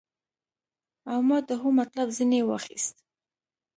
او ما د هو مطلب ځنې واخيست.